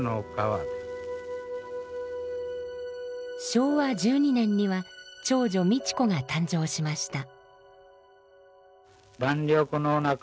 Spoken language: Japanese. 昭和１２年には長女三千子が誕生しました。